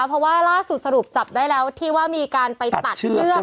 เพราะว่าล่าสุดสรุปจับได้แล้วที่ว่ามีการไปตัดเชือก